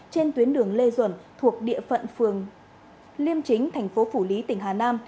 trên tuyến đường lê duẩn thuộc địa phận phường liêm chính thành phố phủ lý tỉnh hà nam